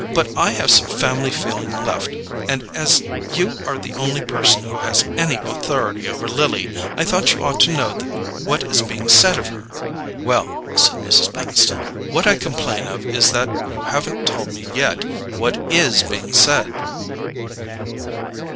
"But I have some family feeling left, and as you are the only person who has any authority over Lily, I thought you ought to know what is being said of her." "Well," said Mrs. Peniston, "what I complain of is that you haven't told me yet what IS being said."